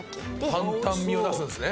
「担々みを出すんですね」